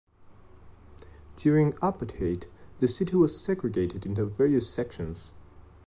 During apartheid, the city was segregated into various sections.